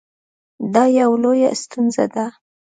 دا یوه لویه ستونزه ده